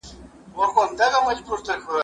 زه اوږده وخت د کتابتوننۍ سره مرسته کوم!!